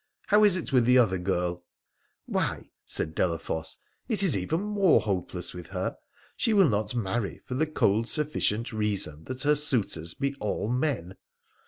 How is it with the other girl ?' 4 Why,' said Delafosse, ' it is even more hopeless with her. She will not marry, for the cold sufficient reason that her suitors be all men